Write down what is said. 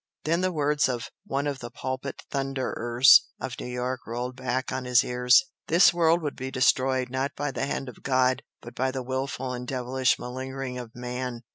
Then the words of one of the "pulpit thunderers" of New York rolled back on his ears "This world will be destroyed, not by the hand of God, but by the wilful and devilish malingering of Man!"